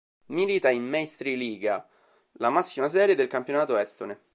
Milita in Meistriliiga, la massima serie del campionato estone.